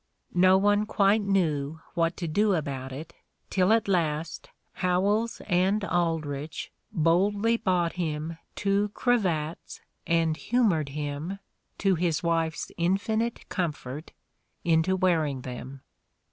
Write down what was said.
No one quite knew what to do about it till at last Howells and Aldrieh boldly bought him two cravats and humored him, to his wife 's infinite comfort, into wearing them.